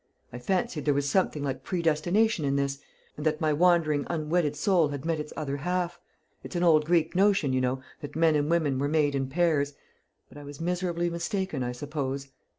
I fancied there was something like predestination in this, and that my wandering unwedded soul had met its other half it's an old Greek notion, you know, that men and women were made in pairs but I was miserably mistaken, I suppose.